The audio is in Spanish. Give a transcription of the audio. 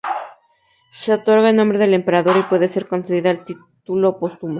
Se otorga en nombre del emperador y puede ser concedida a título póstumo.